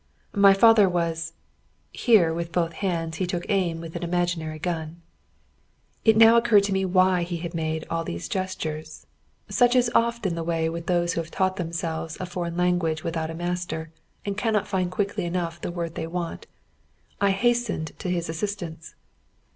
"My father was" here with both hands he took aim with an imaginary gun. It now occurred to me why he made all these gestures. Such is often the way with those who have taught themselves a foreign language without a master, and cannot find quickly enough the word they want. I hastened to his assistance.